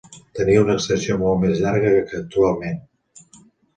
Tenia una extensió molt més llarga que actualment.